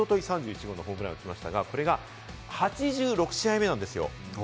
大谷選手はおととい３１号のホームランを打ちましたが、これが８６試合目なんですよ。